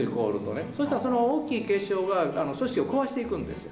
そしたらその大きい結晶が組織を壊していくんですよ。